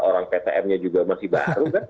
orang ptm nya juga masih baru kan